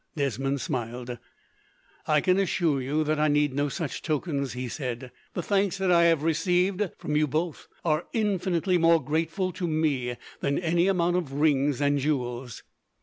Desmond smiled. "I can assure you that I need no such tokens," he said. "The thanks that I have received, from you both, are infinitely more grateful to me than any amount of rings and jewels."